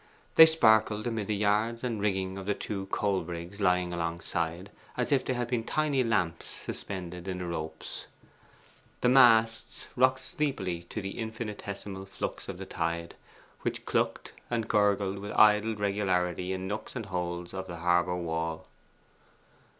They sparkled amid the yards and rigging of the two coal brigs lying alangside, as if they had been tiny lamps suspended in the ropes. The masts rocked sleepily to the infinitesimal flux of the tide, which clucked and gurgled with idle regularity in nooks and holes of the harbour wall.